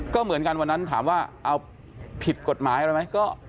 ก็เหมือนกันวันนั้นถามว่าเอาผิดกฎหมายอะไรไหม